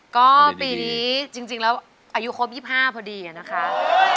ก็ปีนี้จริงแล้วอายุครบ๒๕พอดีนะคะ